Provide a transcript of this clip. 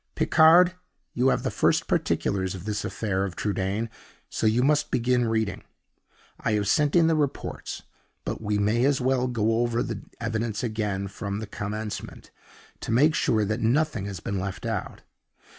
"Picard, you have the first particulars of this affair of Trudaine; so you must begin reading. I have sent in the reports; but we may as well go over the evidence again from the commencement, to make sure that nothing has been left out.